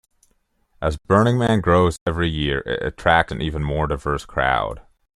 As Burning Man grows every year it attracts an even more diverse crowd.